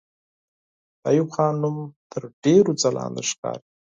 د ایوب خان نوم تر ډېرو ځلانده ښکاري.